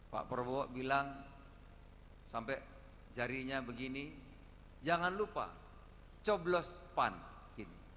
pak prabowo bilang sampai jarinya begini jangan lupa coblos pan kini